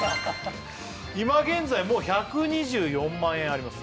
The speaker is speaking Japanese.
今現在もう１２４万円あります